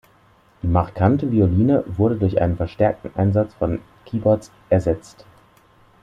Die markante Violine wurde durch einen verstärkten Einsatz von Keyboards ersetzt.